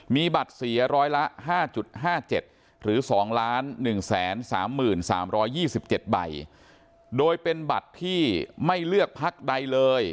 มีบัตรเสียร้อยละห้าจุดห้าเจ็ดหรือสองล้านหนึ่งแสนสามหมื่นสามร้อยยี่สิบเจ็ดใบโดยเป็นบัตรที่ไม่เลือกพักใดเลย